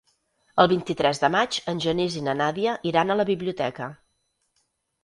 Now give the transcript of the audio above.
El vint-i-tres de maig en Genís i na Nàdia iran a la biblioteca.